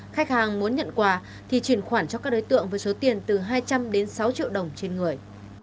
khách hàng muốn nhận quà thì chuyển khoản cho các đối tượng với số tiền từ hai trăm linh đến sáu triệu đồng trên người